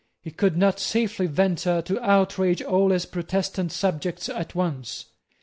He could not safely venture to outrage all his Protestant subjects at once.